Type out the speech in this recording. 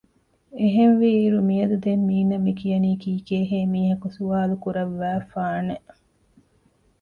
އެހެންވީ އިރު މިއަދު ދެން މީނަ މި ކިޔަނީ ކީކޭހޭ މީހަކު ސުވާލުކުރައްވައިފާނެ